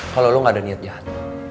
kalau lo gak ada niat jahat